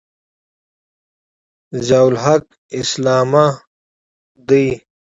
ضیأالحق اسلامه دی.